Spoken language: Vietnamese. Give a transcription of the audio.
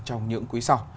trong những quý sau